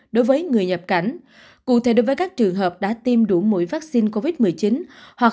đối với người nhập cảnh cụ thể đối với các trường hợp đã tiêm đủ mũi vaccine covid một mươi chín hoặc